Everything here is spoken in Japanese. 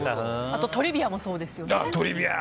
あと「トリビア」もそうですよね。